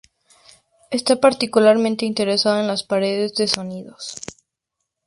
Estaba particularmente interesado en las "paredes de sonidos".